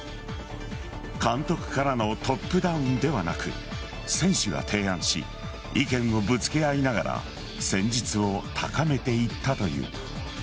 監督からのトップダウンではなく選手が提案し意見をぶつけ合いながら戦術を高めていったという。